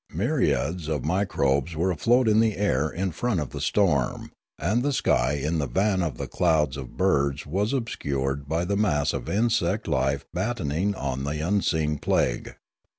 Myriads of microbes were afloat in the air in front of the storm, and the sky in the van of the cloud of birds was obscured by the mass of insect life battening on the unseen plague.